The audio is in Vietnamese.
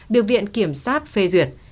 được viện kiểm sát phê duyệt